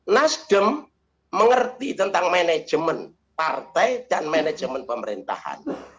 nasdem mengerti tentang manajemen partai dan manajemen pemerintahan